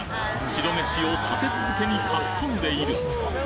白メシを立て続けにかっこんでいる！